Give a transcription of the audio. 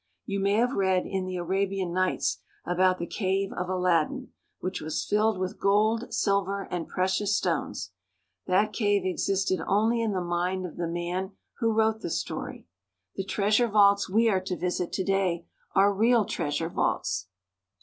You may have read in the *' Arabian Nights " about the cave of Aladdin, which was filled with gold, silver, and precious stones. That cave existed only in the mind of the man who wrote the story. The treasure vaults we are to visit to day are real treasure vaults.